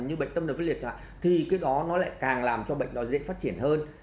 như bệnh tâm lực liệt thì cái đó nó lại càng làm cho bệnh nó dễ phát triển hơn